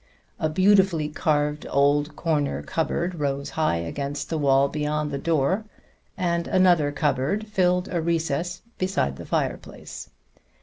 A beautifully carved old corner cupboard rose high against the wall beyond the door, and another cupboard filled a recess beside the fireplace.